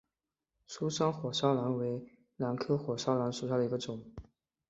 疏花火烧兰为兰科火烧兰属下的一个种。